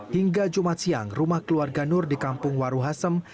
hingga jumat siang rumah keluarga nur di kampung waruhasem